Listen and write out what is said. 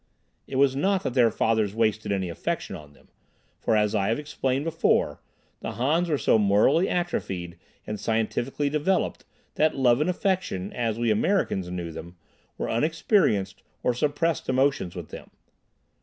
It was not that their fathers wasted any affection on them, for as I have explained before, the Hans were so morally atrophied and scientifically developed that love and affection, as we Americans knew them, were unexperienced or suppressed emotions with them.